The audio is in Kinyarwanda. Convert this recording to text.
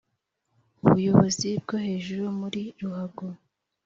ubuyobozi bwo hejuru muri ruhago